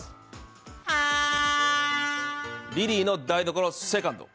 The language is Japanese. リリーの台所セカンド。